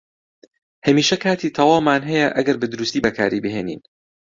هەمیشە کاتی تەواومان هەیە ئەگەر بەدروستی بەکاری بهێنین.